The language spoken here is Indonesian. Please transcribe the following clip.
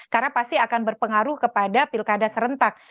karena pasti akan berpengaruh kepada pilkada serentak